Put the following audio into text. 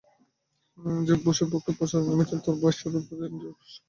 জেব বুশের পক্ষে প্রচারে নেমেছেন তাঁর ভাই সাবেক প্রেসিডেন্ট জর্জ বুশ।